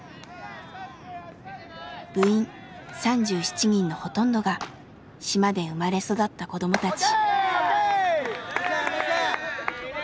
部員３７人のほとんどが島で生まれ育った子供たち。